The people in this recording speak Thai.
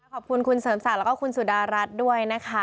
ขอบคุณคุณเสริมศักดิ์แล้วก็คุณสุดารัฐด้วยนะคะ